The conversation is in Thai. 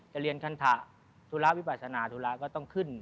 จะเรียนคันฐะทุลาวิปสนาทุลาก็ต้องขึ้น